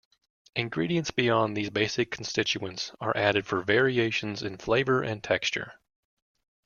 Ingredients beyond these basic constituents are added for variations in flavor and texture.